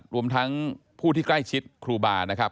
รวมทั้งผู้ที่ใกล้ชิดครูบานะครับ